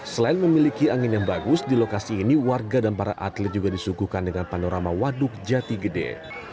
selain memiliki angin yang bagus di lokasi ini warga dan para atlet juga disuguhkan dengan panorama waduk jati gede